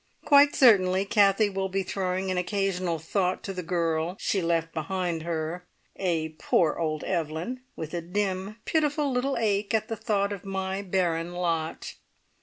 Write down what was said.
Quite certainly Kathie will be throwing an occasional thought to the girl she left behind her, a "poor old Evelyn!" with a dim, pitiful little ache at the thought of my barren lot.